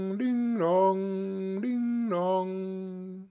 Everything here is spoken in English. Ding dong! Ding dong!